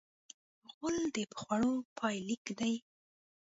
غول د خوړو پای لیک دی.